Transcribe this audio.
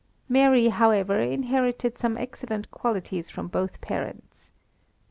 Mary, however, inherited some excellent qualities from both parents.